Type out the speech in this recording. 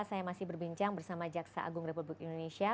saya masih berbincang bersama jaksa agung republik indonesia